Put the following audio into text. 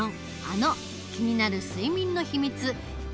あの気になる睡眠のひみつ